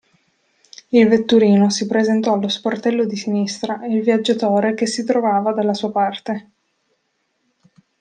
Il vetturino si presentò allo sportello di sinistra e il viaggiatore che si trovava dalla sua parte.